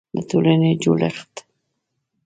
د ټولنې جوړښت